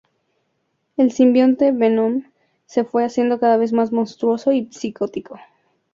El simbionte Venom se fue haciendo cada vez más monstruoso y psicótico.